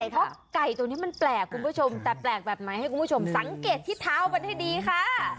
เพราะไก่ตัวนี้มันแปลกคุณผู้ชมแต่แปลกแบบไหนให้คุณผู้ชมสังเกตที่เท้ามันให้ดีค่ะ